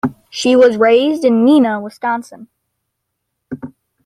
She was raised in Neenah, Wisconsin.